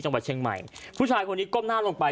จังหวัดเชียงใหม่ผู้ชายคนนี้ก้มหน้าลงไป